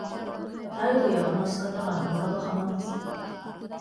態度や話し方が何かと鼻につく